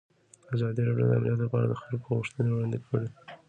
ازادي راډیو د امنیت لپاره د خلکو غوښتنې وړاندې کړي.